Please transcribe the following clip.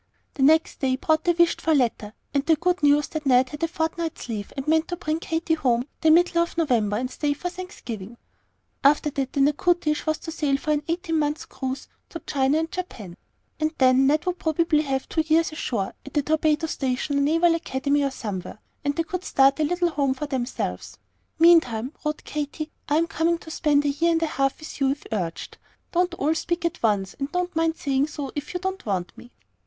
The next day brought the wished for letter, and the good news that Ned had a fortnight's leave, and meant to bring Katy home the middle of November, and stay for Thanksgiving. After that the "Natchitoches" was to sail for an eighteen months' cruise to China and Japan; and then Ned would probably have two years ashore at the Torpedo Station or Naval Academy or somewhere, and they would start a little home for themselves. "Meantime," wrote Katy, "I am coming to spend a year and a half with you, if urged. Don't all speak at once, and don't mind saying so, if you don't want me."